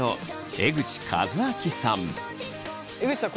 江口さん